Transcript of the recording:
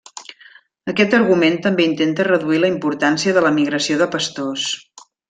Aquest argument també intenta reduir la importància de la migració de pastors.